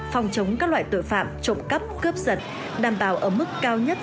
phòng chống các loại tội phạm trộm cắp cướp giật đảm bảo ở mức cao nhất